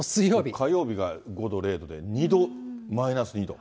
火曜日が５度、０度で、２度、マイナス２度。